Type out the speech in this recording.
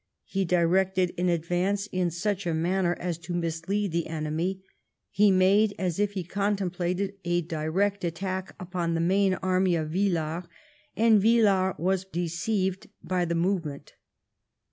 He directed an advance in such a manner as to mislead the enemy. He made as if he contemplated a direct attack upon the main army of ViUars, and Villars was deceived by the movement.